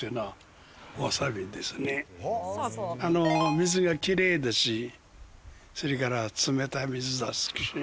水がきれいだしそれから冷たい水だし。